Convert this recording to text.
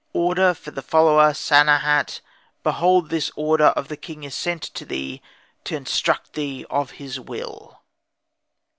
Order for the follower Sanehat. Behold this order of the king is sent to thee to instruct thee of his will.